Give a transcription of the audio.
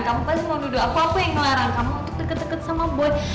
kamu pasti mau nuduh aku aku yang ngelarang kamu untuk deket deket sama boy